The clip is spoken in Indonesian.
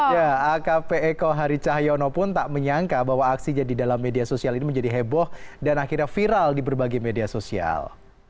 ya akp eko hari cahyono pun tak menyangka bahwa aksinya di dalam media sosial ini menjadi heboh dan akhirnya viral di berbagai media sosial